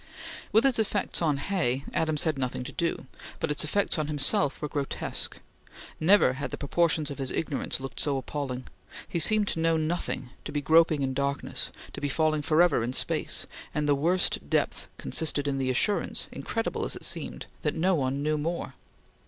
With its effects on Hay, Adams had nothing to do; but its effects on himself were grotesque. Never had the proportions of his ignorance looked so appalling. He seemed to know nothing to be groping in darkness to be falling forever in space; and the worst depth consisted in the assurance, incredible as it seemed, that no one knew more.